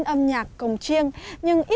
âm nhạc cồng chiêng